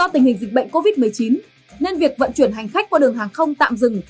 dịch bệnh covid một mươi chín nên việc vận chuyển hành khách qua đường hàng không tạm dừng